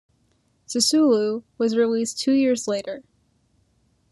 Sisulu was released two years later.